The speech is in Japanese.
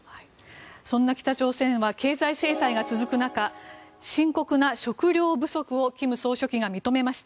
そんな北朝鮮は経済制裁が続く中深刻な食糧不足を金総書記が認めました。